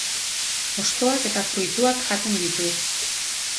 Hostoak eta fruituak jaten ditu.